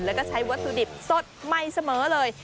แล้วก็ใช้วัตถุดิบสดใหม่เสมอเลย